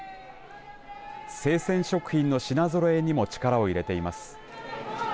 生鮮食品の品ぞろえにも力を入れています。